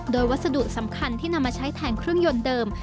โดยวัสดุสำคัญที่นำมาใช้แทนเครื่องยนต์เดิม